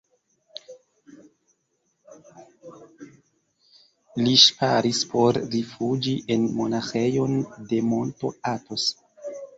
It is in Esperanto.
Li ŝparis por rifuĝi en monaĥejon de monto Atos.